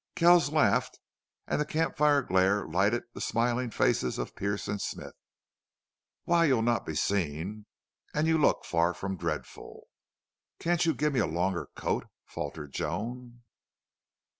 Kells laughed, and the camp fire glare lighted the smiling faces of Pearce and Smith. "Why, you'll not be seen. And you look far from dreadful." "Can't you give me a a longer coat?" faltered Joan.